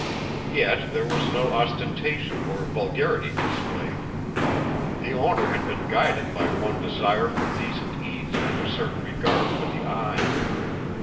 Yet there was no ostentation or vulgarity displayed. The owner had been guided by the one desire for decent ease and a certain regard for the eye.